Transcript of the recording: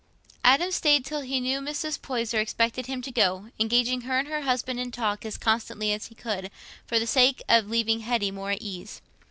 Adam stayed till he knew Mrs. Poyser expected him to go, engaging her and her husband in talk as constantly as he could, for the sake of leaving Hetty more at ease.